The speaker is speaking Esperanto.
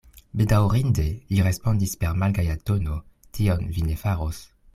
Bedaŭrinde, li respondis per malgaja tono, tion vi ne faros.